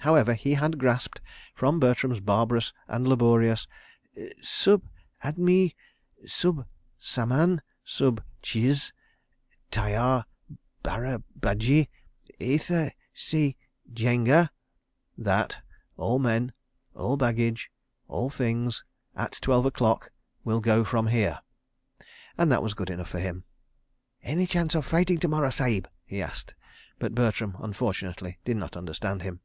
However, he had grasped, from Bertram's barbarous and laborious "Sub admi ... sub saman ... sub chiz ... tyar ... bara badji ... ither se jainga ..." that "all men ... all baggage ... all things ... at twelve o'clock ... will go from here"—and that was good enough for him. "Any chance of fighting to morrow, Sahib?" he asked, but Bertram, unfortunately, did not understand him.